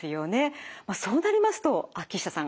そうなりますと秋下さん